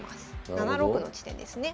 ７六の地点ですね。